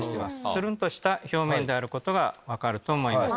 つるんとした表面であることが分かると思います。